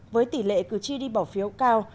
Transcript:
với tỷ lệ cử tri đi bỏ phiếu cao